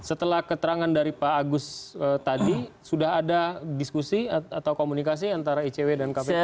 setelah keterangan dari pak agus tadi sudah ada diskusi atau komunikasi antara icw dan kpk